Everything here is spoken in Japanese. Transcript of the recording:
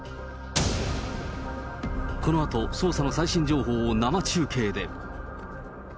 このあと捜査の最新情報を生中継で。